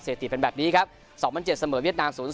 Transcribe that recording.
ถิติเป็นแบบนี้ครับ๒๐๐๗เสมอเวียดนาม๐๒